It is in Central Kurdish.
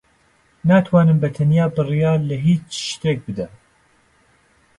ناتوانم بەتەنیا بڕیار لە ھیچ شتێک بدەم.